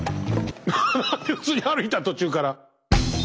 普通に歩いた途中から。